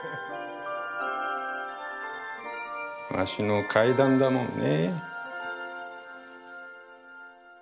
わしの階段だもんね。